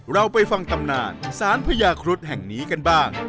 เราไปฟังตำนานสารพญาครุฑแห่งนี้กันบ้าง